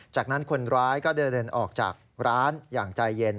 จากนั้นคนร้ายก็เดินออกจากร้านอย่างใจเย็น